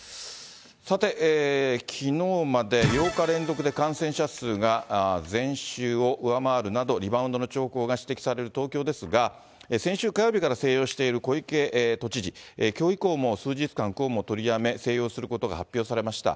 さて、きのうまで８日連続で感染者数が前週を上回るなど、リバウンドの兆候が指摘される東京ですが、先週火曜日から静養している小池都知事、きょう以降も数日間、公務を取りやめ、静養することが発表されました。